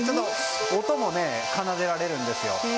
音も奏でられるんですよ。